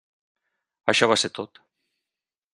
Això va ser tot.